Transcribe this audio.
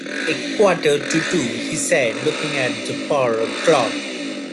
‘A quarter to two,’ he said, looking at the parlour clock.